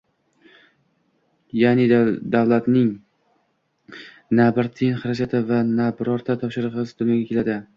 ya’niki, davlatning na bir tiyin xarajati va na birorta topshirig‘isiz dunyoga keladi.